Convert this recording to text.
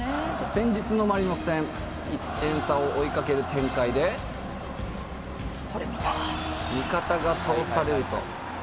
「先日のマリノス戦１点差を追いかける展開で」「味方が倒されると」